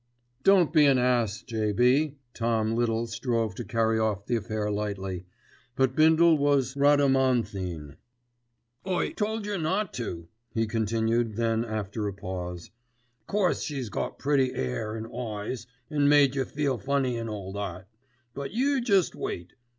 "Don't be an ass, J.B." Tom Little strove to carry off the affair lightly; but Bindle was Rhadamanthine. "I told yer not to," he continued, then after a pause, "Course she's got pretty 'air an' eyes, an' made yer feel funny an' all that; but you jest wait.